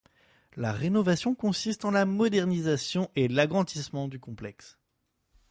La rénovation consiste en la modernisation et l'agrandissement du complexe.